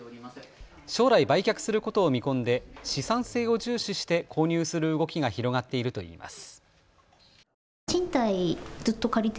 将来、売却することを見込んで資産性を重視して購入する動きが広がっているといいます。